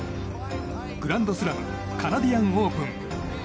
グランドスラムカナディアン・オープン。